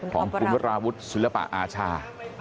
ของคุณวราวุฒิศิลปะอาชา